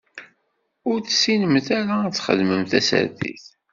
Ur tessinemt ara ad txedmemt tasertit.